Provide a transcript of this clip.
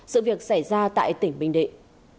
sự việc xảy ra tại tỉnh bình định